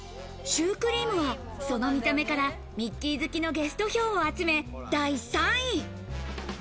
シュークリームは、その見た目からミッキー好きのゲスト票を集め、第３位。